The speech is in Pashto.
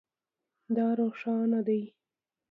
دا روښانه دی